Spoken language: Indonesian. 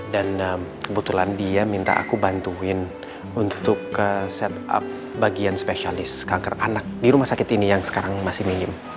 dan kebetulan dia minta aku bantuin untuk set up bagian spesialis kanker anak di rumah sakit ini yang sekarang masih minim